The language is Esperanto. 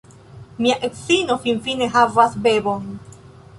Mia edzino finfine havas bebon!